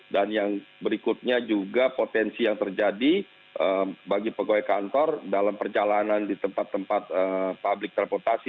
dan yang berikutnya juga potensi yang terjadi bagi pegawai kantor dalam perjalanan di tempat tempat publik teleportasi